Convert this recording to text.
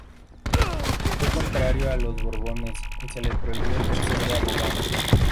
Fue contrario a los Borbones y se le prohibió ejercer de abogado.